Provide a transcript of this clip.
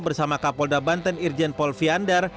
bersama kapolda banten irjenpol viandar